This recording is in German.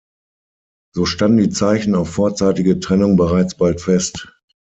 So standen die Zeichen auf vorzeitige Trennung bereits bald fest.